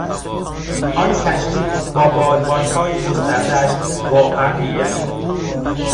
آن کشتی با بادبانهای گستردهاش واقعا دیدنی بود.